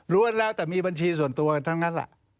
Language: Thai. รวมแล้วแต่มีบัญชีส่วนตัวกันทั้งนั้นแหละ